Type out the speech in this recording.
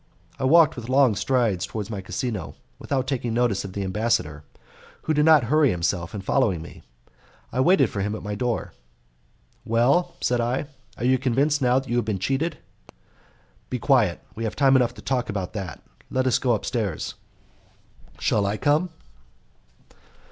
I walked with long strides towards my casino, without taking notice of the ambassador, who did not hurry himself in following me; I waited for him at my door. "Well," said I, "are you convinced now that you have been cheated?" "Be quiet, we have time enough to talk about that. Let us go upstairs." "Shall I come?"